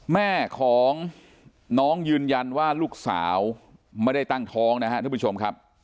แม่ของน้องยืนยันว่าลูกสาวไม่ได้ตั้งท้องนะครับท่านผู้ชมครับ